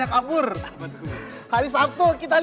ya bener loncatnya